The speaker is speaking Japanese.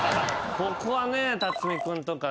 ここはね辰巳君とか猪狩君も。